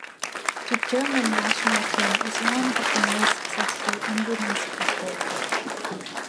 The German national team is one of the most successful in women's football.